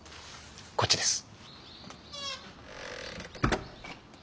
こっちです。